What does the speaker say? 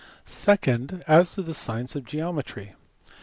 Second, LS to the science of geometry.